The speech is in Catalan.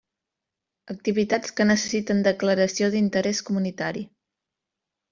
Activitats que necessiten declaració d'interés comunitari.